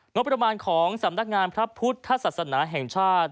งบประมาณของสำนักงานพระพุทธศาสนาแห่งชาติ